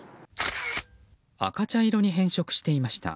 赤茶色に変色していました。